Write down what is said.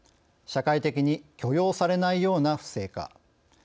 「社会的に許容されないような不正か？」